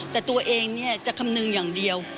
แต่ตัวเองจะคำนึงอย่างเดียว